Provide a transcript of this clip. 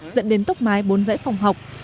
dẫn đến tốc mái bốn giải phòng học